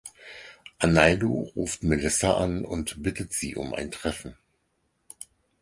Arnaldo ruft Melissa an und bittet sie um ein Treffen.